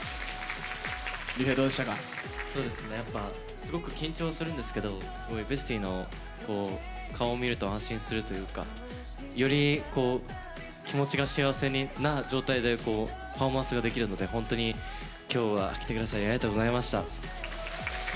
すごく緊張はするんですけどＢＥＳＴＹの顔を見ると安心するというかより気持ちが幸せな状態でパフォーマンスができるので本当に今日は来てくださりありがとうございました。